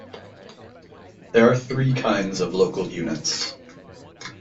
There are three kinds of local units.